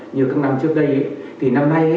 như các năm trước đây thì phải đạt một mươi trên một mươi